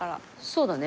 そうだね。